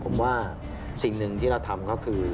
ผมว่าสิ่งหนึ่งที่เราทำก็คือ